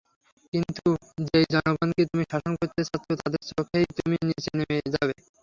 কিন্তু যেই জনগণকে তুমি শাসন করতে চাচ্ছ তাদের চোখেই তুমি নিচে নেমে যাবে।